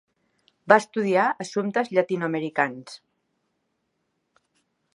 Va estudiar assumptes llatinoamericans.